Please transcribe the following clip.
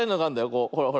こうほらほら。